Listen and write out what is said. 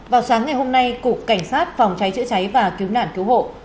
vào sáng ngày hôm nay cục cảnh sát phòng cháy chữa cháy và cứu nạn cứu hộ